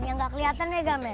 yang nggak keliatan ya gak matt